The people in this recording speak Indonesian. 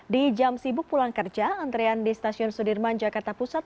di jam sibuk pulang kerja antrean di stasiun sudirman jakarta pusat